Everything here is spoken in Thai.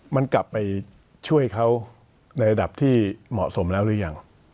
มันกลับไปช่วยเขาในระดับที่เหมาะสมแล้วหรือยัง